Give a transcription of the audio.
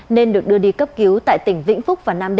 nên được đưa đi cấp cứu